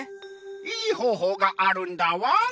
いいほうほうがあるんだワン！